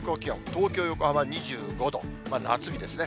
東京、横浜２５度、夏日ですね。